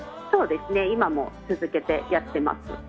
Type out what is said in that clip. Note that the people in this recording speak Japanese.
今も続けてやってます。